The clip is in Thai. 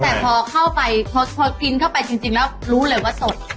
เพราะพอพิ้นเข้าไปจริงแล้วรู้เลยว่าสด